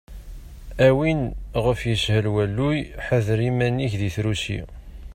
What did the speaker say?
A win ɣef yeshel walluy, ḥader iman-ik di trusi!